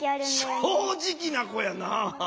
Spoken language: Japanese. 正直な子やな。